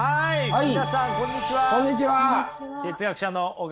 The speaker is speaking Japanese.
はい。